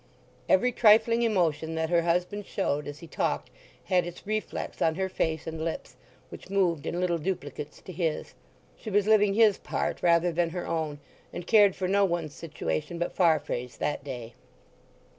Every trifling emotion that her husband showed as he talked had its reflex on her face and lips, which moved in little duplicates to his. She was living his part rather than her own, and cared for no one's situation but Farfrae's that day.